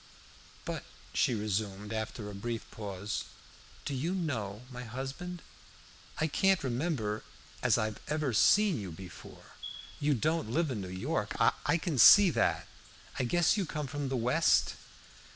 "But," she resumed, after a brief pause, "do you know my husband? I can't remember as I ever seen you before. You don't live in New York: I can see that. I guess you come from the West."